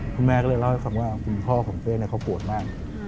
คุณแม่ก็เลยเล่าคำว่าคุณพ่อของเป๊ย์เนี่ยเขาปวดมาก